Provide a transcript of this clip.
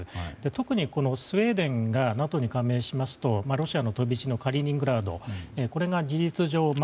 特にスウェーデンがＮＡＴＯに加盟しますとロシアの飛び地のカリーニングラードこれが事実上ＮＡＴＯ